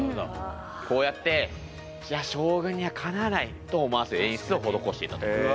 こうやって将軍にはかなわないと思わせる演出を施していたということなんですね。